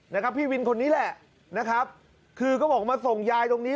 นะครับพี่วินคนนี้แหละนะครับคือก็บอกมาส่งยายตรงนี้